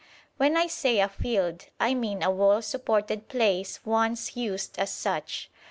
When I say a field, I mean a wall supported place once used as such.